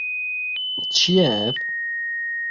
Çi ye ev?